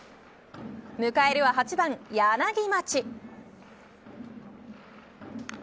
迎えるは８番、柳町。